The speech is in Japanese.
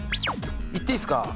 いっていいっすか？